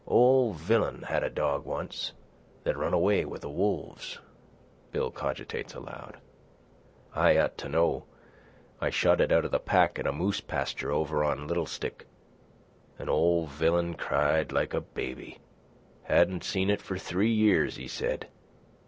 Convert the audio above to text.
"Ol' Villan had a dog once that run away with the wolves," Bill cogitates aloud. "I ought to know. I shot it out of the pack in a moose pasture over 'on Little Stick. An' Ol' Villan cried like a baby. Hadn't seen it for three years, he said.